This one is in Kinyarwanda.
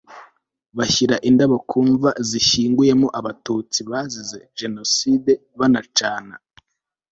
bashyira indabo ku mva zishyinguyemo abatutsi bazize jenoside banacana